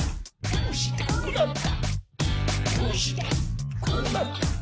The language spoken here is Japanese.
どうしてこうなった？」